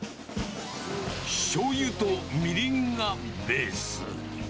しょうゆとみりんがベース。